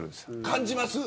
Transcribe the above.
感じますか。